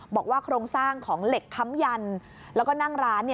โครงสร้างของเหล็กค้ำยันแล้วก็นั่งร้าน